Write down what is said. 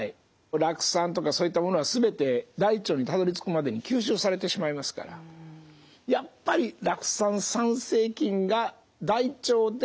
酪酸とかそういったものは全て大腸にたどりつくまでに吸収されてしまいますからやっぱり酪酸産生菌が大腸で酪酸を作るということが大事なんです。